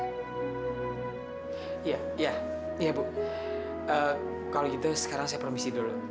iya iya bu kalau gitu sekarang saya permisi dulu